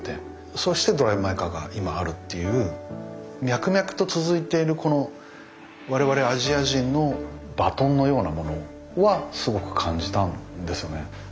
そして「ドライブ・マイ・カー」が今あるっていう脈々と続いているこの我々アジア人のバトンのようなものはすごく感じたんですよね。